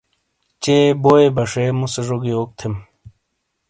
چے بوئے بشے مُوسے زو گی یوک تھیم؟